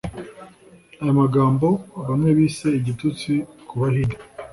Aya magambo bamwe bise igitutsi ku bahinde